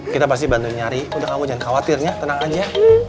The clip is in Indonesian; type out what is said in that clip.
kita pasti bantu nyari udah kamu jangan khawatirnya tenang aja